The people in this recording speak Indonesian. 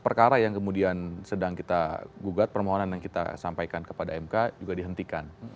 perkara yang kemudian sedang kita gugat permohonan yang kita sampaikan kepada mk juga dihentikan